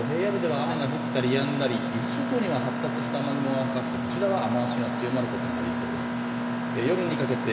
関東平野部では雨が降ったりやんだり、伊豆諸島には発達した雨雲がかかってこちらは雨足が強まることがありそうです。